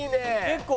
結構。